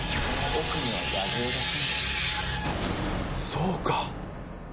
そうか！